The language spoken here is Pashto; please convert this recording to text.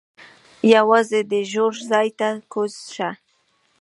یوازې دې ژور ځای ته کوز شه.